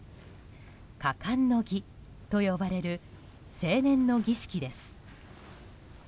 加冠の儀と呼ばれる成年の儀式です。